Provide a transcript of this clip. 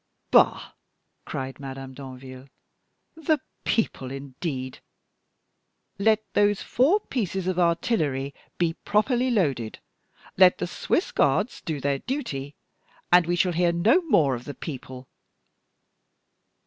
"Bah!" cried Madame Danville. "The People, indeed! Let those four pieces of artillery be properly loaded, let the Swiss Guards do their duty, and we shall hear no more of the People!"